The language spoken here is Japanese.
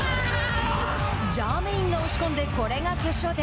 ジャーメインが押し込んでこれが決勝点。